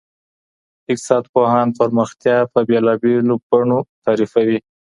اقتصاد پوهان پرمختیا په بیلابیلو بڼو تعریفوي.